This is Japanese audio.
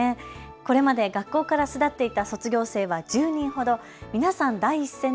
これまで学校を巣立っていった卒業生は１０人ほど。